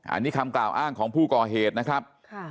อันนี้คำกล่าวอ้างของผู้ก่อเหตุนะครับ